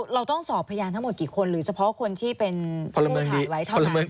เราต้องสอบพยานทั้งหมดกี่คนหรือเฉพาะคนที่เป็นผู้ถ่ายไว้เท่านั้น